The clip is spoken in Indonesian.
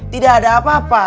tidak ada apa apa